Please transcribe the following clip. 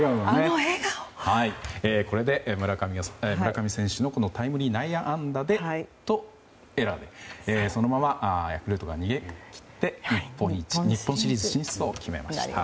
これで村上選手のタイムリー内野安打とエラーでそのままヤクルトが逃げ切って日本シリーズ進出を決めました。